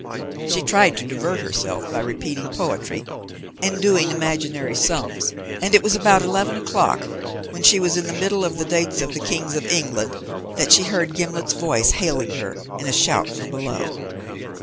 She tried to divert herself by repeating poetry, and doing imaginary sums; and it was about eleven o'clock, when she was in the middle of the dates of the Kings of England, that she heard Gimblet's voice hailing her in a shout from below.